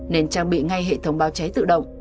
nên trang bị ngay hệ thống báo cháy tự động